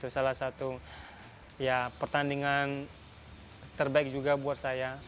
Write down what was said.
salah satu pertandingan terbaik juga buat saya